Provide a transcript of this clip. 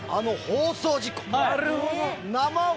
なるほど！